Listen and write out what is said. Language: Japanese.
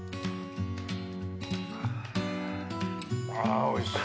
あおいしい。